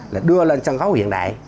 là đưa lên sân khấu hiện đại